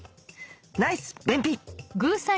ナイス便秘！